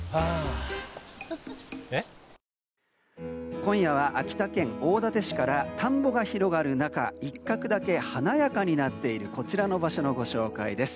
今夜は秋田県大館市から田んぼが広がる中、一角だけ華やかになっているこちらの場所のご紹介です。